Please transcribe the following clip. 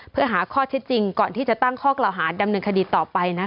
เพื่อหาข้อเท็จจริงก่อนที่จะตั้งข้อกล่าวหาดำเนินคดีต่อไปนะคะ